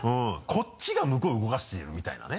こっちが向こうを動かしてるみたいなね。